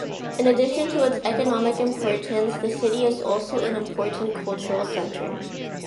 In addition to its economic importance, the city is also an important cultural center.